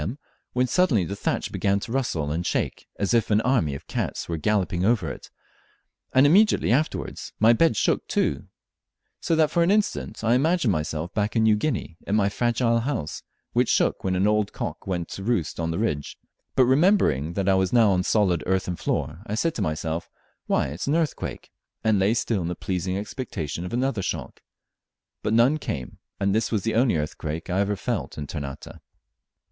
M.), when suddenly the thatch began to rustle and shake as if an army of cats were galloping over it, and immediately afterwards my bed shook too, so that for an instant I imagined myself back in New Guinea, in my fragile house, which shook when an old cock went to roost on the ridge; but remembering that I was now on a solid earthen floor, I said to myself, "Why, it's an earthquake," and lay still in the pleasing expectation of another shock; but none came, and this was the only earthquake I ever felt in Ternate.